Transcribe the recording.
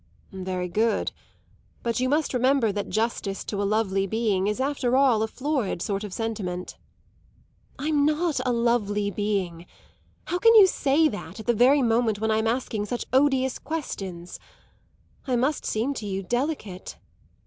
"Very good. But you must remember that justice to a lovely being is after all a florid sort of sentiment." "I'm not a lovely being. How can you say that, at the very moment when I'm asking such odious questions? I must seem to you delicate!"